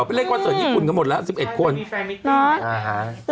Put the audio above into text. เป็นเลขวันเสิร์ฟญี่ปุ่นกันหมดแล้วสิบเอ็ดคนใช่มีแฟนมิติอ่าฮะ